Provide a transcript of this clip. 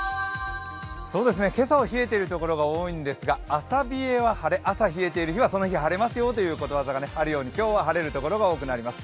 今朝は冷えている所が多いんですが、朝冷えは晴れ、朝冷えている日は晴れますよということわざがあるように今日は晴れるところが多くなります。